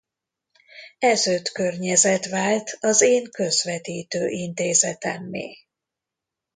Ez öt környezet vált az én ’közvetítő intézetemmé’.